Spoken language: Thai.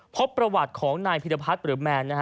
พบประวัติของนายพิรพัฒน์หรือแมน